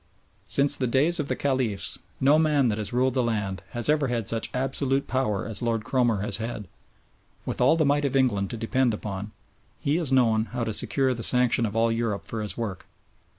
Since the days of the Caliphs no man that has ruled the land has ever had such absolute power as Lord Cromer has had. With all the might of England to depend upon, he has known how to secure the sanction of all Europe for his work.